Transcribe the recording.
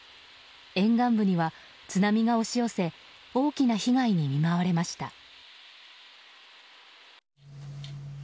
沿岸部には津波が押し寄せ大きな被害に見舞われました。